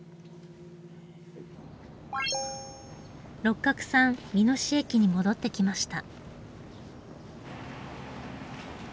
六角さん美濃市駅に戻ってきました。